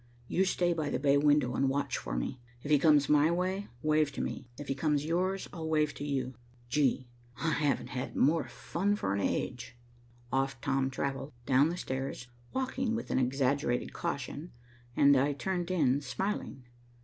You stay by the bay window and watch for me. If he comes my way, wave to me. If he comes yours, I'll wave to you. Gee! I haven't had more fun for an age." Off Tom travelled, down the stairs, walking with an exaggerated caution, and I turned in, smiling.